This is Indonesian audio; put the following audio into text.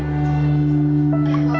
punggung perut dada